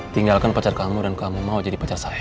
tinggalkan pacar kamu dan kamu mau jadi pacar saya